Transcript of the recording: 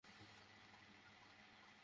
আমি আজ পর্যন্ত কাউকে ভালোবাসি নি।